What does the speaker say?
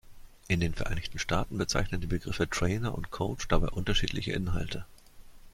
In den Vereinigten Staaten bezeichnen die Begriffe Trainer und Coach dabei unterschiedliche Inhalte.